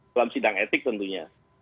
dalam sidang etik tentunya